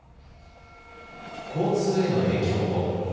交通への影響も。